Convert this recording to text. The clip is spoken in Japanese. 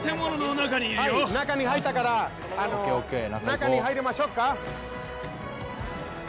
中に入ったから中に入りましょうか。